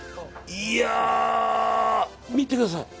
いやー、見てください。